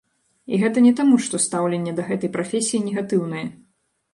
І гэта не таму, што стаўленне да гэтай прафесіі негатыўнае.